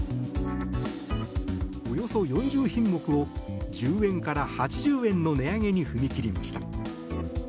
およそ４０品目を１０円から８０円の値上げに踏み切りました。